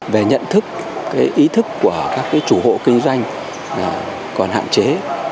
về nhận thức ý thức của các chủ hộ kinh doanh còn hạn chế